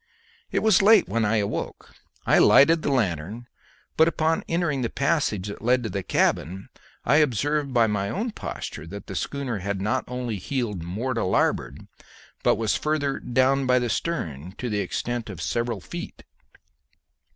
It was late when I awoke. I lighted the lanthorn, but upon entering the passage that led to the cabin I observed by my own posture that the schooner had not only heeled more to larboard, but was further "down by the stern" to the extent of several feet.